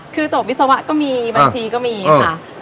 คือจบวิศวะก็มีบัญชีก็มีค่ะ